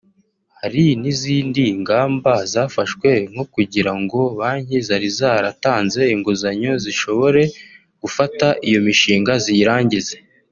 Hari n’izindi ngamba zafashwe nko kugira ngo banki zari zaratanze inguzanyo zishobore gufata iyo mishinga ziyirangize